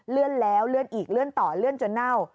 เลื่อนแล้วเลื่อนอีกเลื่อนต่อเลื่อนจนเน่า